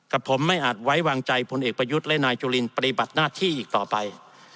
ผมไม่อาจไว้วางใจพลเอกประยุทธ์และนายจุลินปฏิบัติหน้าที่อีกต่อไป